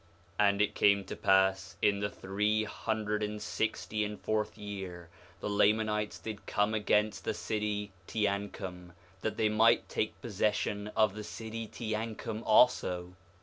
4:7 And it came to pass in the three hundred and sixty and fourth year the Lamanites did come against the city Teancum, that they might take possession of the city Teancum also.